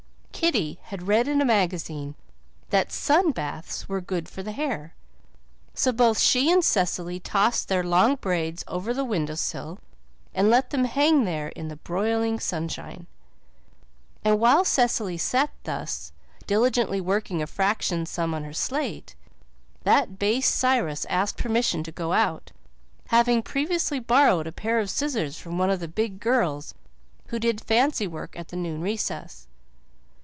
Kitty had read in a magazine that sun baths were good for the hair; so both she and Cecily tossed their long braids over the window sill and let them hang there in the broiling sun shine. And while Cecily sat thus, diligently working a fraction sum on her slate, that base Cyrus asked permission to go out, having previously borrowed a pair of scissors from one of the big girls who did fancy work at the noon recess.